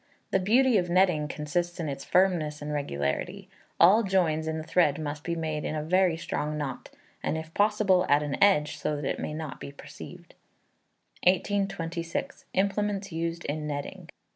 The beauty of netting consists in its firmness and regularity. All joins in the thread must be made in a very strong knot; and, if possible, at an edge, so that it may not be perceived. 1826. Implements used in Netting.